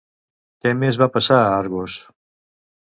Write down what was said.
Què més va passar a Argos?